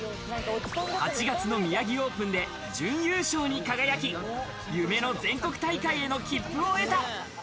８月の宮城オープンで準優勝に輝き、夢の全国大会への切符を得た。